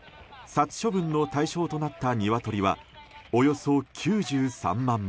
殺処分の対象となったニワトリはおよそ９３万羽。